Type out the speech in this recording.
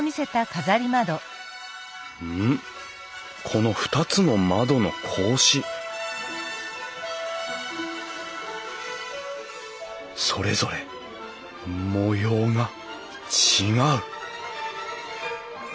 この２つの窓の格子それぞれ模様が違う